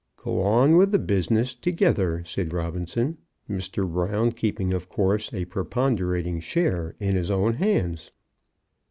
"Go on with the business together," said Robinson; "Mr. Brown keeping, of course, a preponderating share in his own hands."